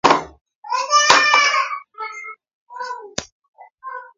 Kigikwongye ago atepto nyi